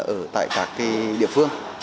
ở tại các địa phương